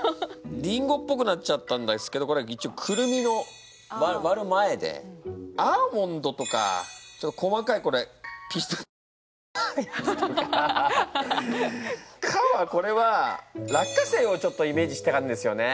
リンゴっぽくなっちゃったんですけどこれいちおうクルミのわる前でアーモンドとか細かいピスタチオむいたやつとか「カ」はこれは落花生をちょっとイメージしたんですよね。